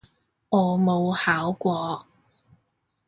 我冇考過